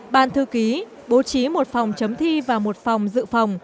ban thư ký bố trí một phòng chấm thi và một phòng dự phòng